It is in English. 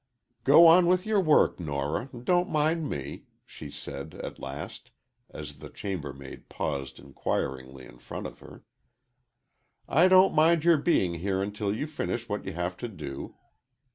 "Go on with your work, Nora, don't mind me," she said, at last, as the chambermaid paused inquiringly in front of her. "I don't mind your being here until you finish what you have to do.